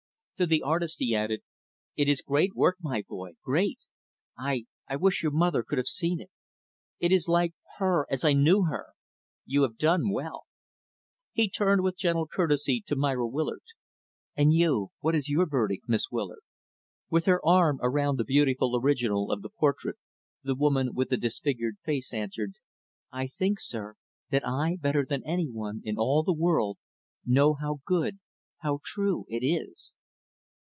To the artist, he added, "It is great work, my boy, great! I I wish your mother could have seen it. It is like her as I knew her. You have done well." He turned, with gentle courtesy, to Myra Willard; "And you? What is your verdict, Miss Willard?" With her arm around the beautiful original of the portrait, the woman with the disfigured face answered, "I think, sir, that I, better than any one in all the world, know how good, how true, it is."